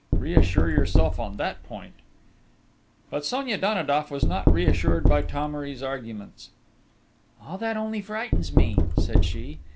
Reassure yourself on that point!..." But Sonia Danidoff was not reassured by Thomery's arguments. "All that only frightens me!" said she....